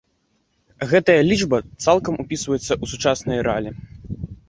Гэтая лічба цалкам упісваецца ў сучасныя рэаліі.